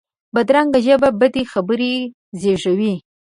بدرنګه ژبه بدې خبرې زېږوي